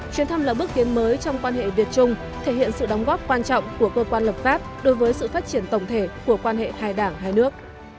chuyến thăm là bước tiến mới trong quan hệ việt trung thể hiện sự đóng góp quan trọng của cơ quan lập pháp đối với sự phát triển tổng thể của quan hệ hai đảng hai nước